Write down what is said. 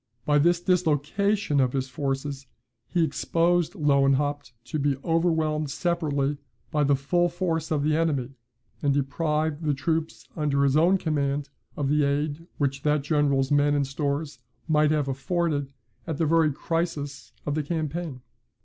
By this dislocation of his forces he exposed Lewenhaupt to be overwhelmed separately by the full force of the enemy, and deprived the troops under his own command of the aid which that general's men and stores might have afforded, at the very crisis of the campaign.